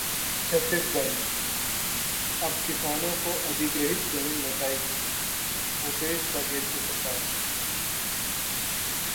Chhattisgarh: अब किसानों की अधिग्रहित जमीन लौटाएगी भूपेश बघेल की सरकार